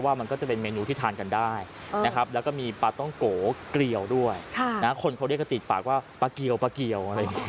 ถ้ายังไงก็โทรติดต่อมาได้ค่ะแหมเมื่อกี้ขึ้นบาร์ชื่อนิดเดียว